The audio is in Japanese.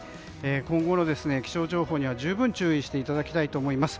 今後の気象情報には十分に注意していただきたいと思います。